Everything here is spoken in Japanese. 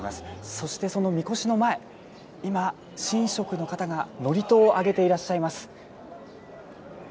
そして、そのみこしの前、今、神職の方が祝詞をあげていらっしゃいます。